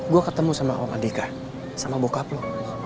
gue ketemu sama om adhika sama bokap lo